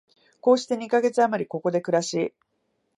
こうして二カ月あまり、ここで暮らし、